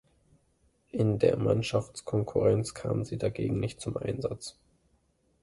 In der Mannschaftskonkurrenz kam sie dagegen nicht zum Einsatz.